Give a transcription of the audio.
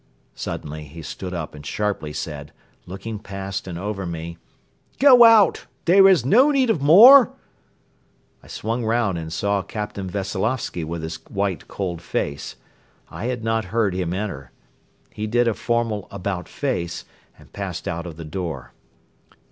Suddenly he stood up and sharply said, looking past and over me: "Go out! There is no need of more. ..." I swung round and saw Captain Veseloffsky with his white, cold face. I had not heard him enter. He did a formal "about face" and passed out of the door.